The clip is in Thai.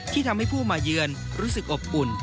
ทำให้ผู้มาเยือนรู้สึกอบอุ่น